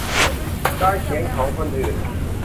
การเขียนของคนอื่น